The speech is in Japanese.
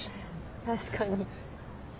確かに。